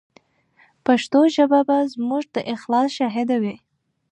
پښتو ژبه به زموږ د اخلاص شاهده وي.